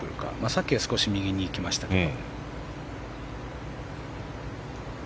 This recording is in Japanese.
さっきは少し右へ行きましたが。